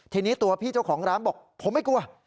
ทีนี้ตัวพี่เจ้าของร้านบอกผมไม่กลัว